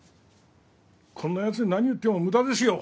こんな奴に何言っても無駄ですよ！